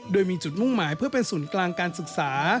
โดยมีจุดมุ่งหมายเพื่อเป็นศูนย์กลางการศึกษา